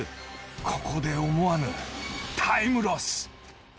ここで思わぬタイムロス］